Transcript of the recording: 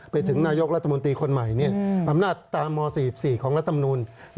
ไปถึงนายกรัฐมนตรีคนใหม่อำนาจตามม๔๔ของรัฐมนูล